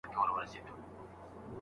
پر پچه وختی کشمیر یې ولیدی.